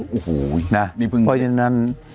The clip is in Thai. โอ้โหนะเพราะฉะนั้น